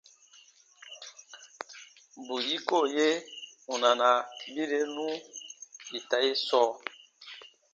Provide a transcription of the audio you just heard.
Bù yiko be wunana birenu ita ye sɔɔ.